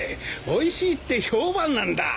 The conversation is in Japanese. おいしいって評判なんだ。